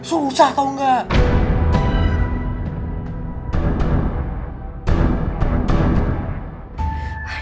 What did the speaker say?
susah tau gak